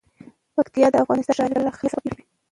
پکتیا د افغانستان د ښاري پراختیا سبب کېږي.